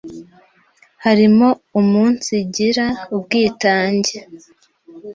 harimo umunsigira ubwitange,